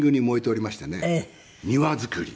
庭造り。